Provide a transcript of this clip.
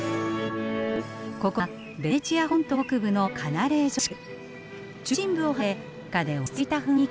ここはベネチア本島北部のカナレージョ地区。